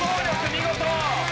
見事！